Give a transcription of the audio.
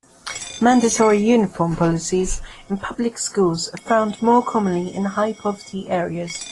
Mandatory uniform policies in public schools are found more commonly in high-poverty areas.